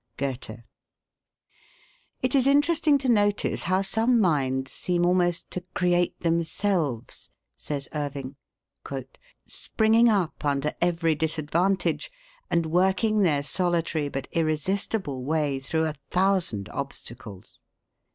Goethe. "It is interesting to notice how some minds seem almost to create themselves," says Irving, "springing up under every disadvantage, and working their solitary but irresistible way through a thousand obstacles."